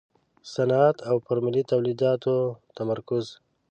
صنعت او پر ملي تولیداتو تمرکز.